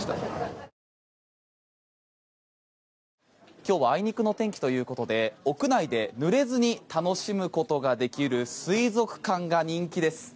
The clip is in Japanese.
今日はあいにくの天気ということで屋内でぬれずに楽しむことができる水族館が人気です。